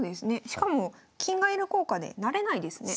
しかも金がいる効果で成れないですね。